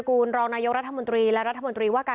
ก็มาเกิดนะคะ